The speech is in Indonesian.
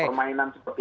permainan seperti ini